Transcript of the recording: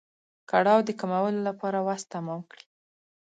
کړاو د کمولو لپاره وس تمام کړي.